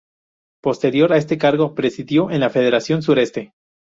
Posterior a este cargo, presidió en la Federación Sureste.